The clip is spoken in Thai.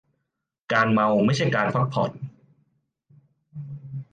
การเมาไม่ใช่การพักผ่อน.